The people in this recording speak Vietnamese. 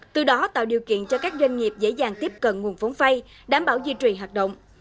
từ đó tạo điều kiện cho các doanh nghiệp dễ dàng tiếp cận nguồn vốn vay đảm bảo duy trì hoạt động